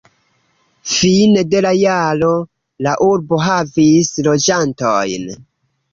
Fine de la jaro la urbo havis loĝantojn.